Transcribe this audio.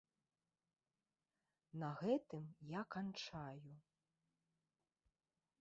На гэтым я канчаю.